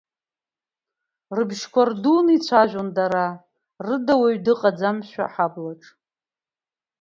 Рыбжьқәа рдуны ицәажәон, дара рыда уаҩы дыҟаӡамшәа аҳаблаҿ.